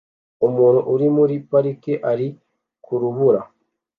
Umuntu uri muri parike ari kurubura